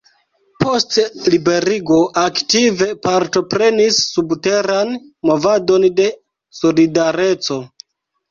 Post liberigo aktive partoprenis subteran movadon de Solidareco.